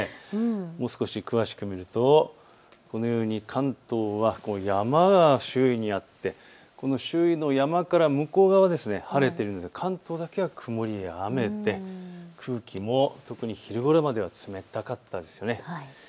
もう少し詳しく見るとこのように関東は山が周囲にあってこの周囲の山から向こう側は晴れているので関東だけが曇りや雨で空気も特に昼ごろまでは冷たかったですね。